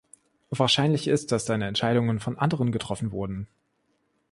Wahrscheinlich ist, dass seine Entscheidungen von anderen getroffen wurden.